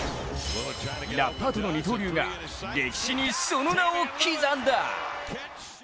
ラッパーとの二刀流が歴史にその名を刻んだ。